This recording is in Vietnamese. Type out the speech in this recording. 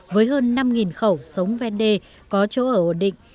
với hơn năm khẩu sống ven đê có chỗ ở ổn định